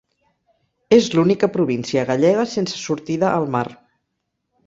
És l'única província gallega sense sortida al mar.